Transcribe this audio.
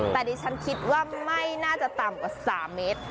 แต่ดิฉันคิดว่าไม่น่าจะต่ำกว่า๓เมตร